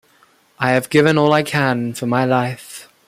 I have given all I can for my life.